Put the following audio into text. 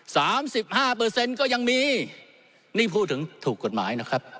สามสิบห้าเปอร์เซ็นต์ก็ยังมีนี่พูดถึงถูกกฎหมายนะครับ